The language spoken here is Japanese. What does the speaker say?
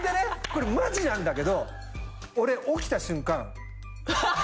これマジなんだけど俺起きた瞬間。